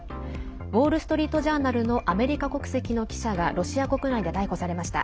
ウォール・ストリート・ジャーナルのアメリカ国籍の記者がロシア国内で逮捕されました。